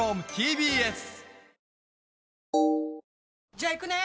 じゃあ行くね！